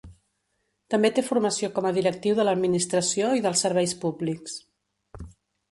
També té formació com a directiu de l'Administració i dels serveis públics.